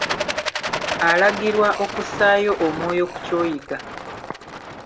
Alagirwa okussaayo omwoyo ku ky'oyiga.